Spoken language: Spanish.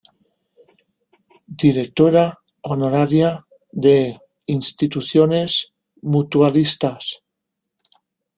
Directora honoraria de Instituciones mutualistas.